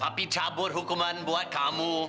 papi cabut hukuman buat kamu